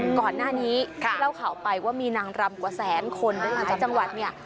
ก่อนหน้านี้ที่เล่าข่าวไปว่ามีนางรำกว่าแสนคนเดินทางจังหวัดเนี่ย